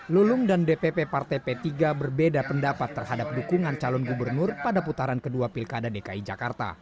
lulung dan dpp partai p tiga berbeda pendapat terhadap dukungan calon gubernur pada putaran kedua pilkada dki jakarta